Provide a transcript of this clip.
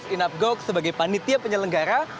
inapgoc sebagai panitia penyelenggara